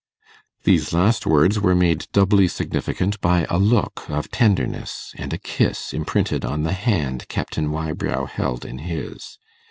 These last words were made doubly significant by a look of tenderness, and a kiss imprinted on the hand Captain Wybrow held in his.